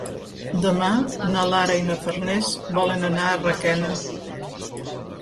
Demà na Lara i na Farners volen anar a Requena.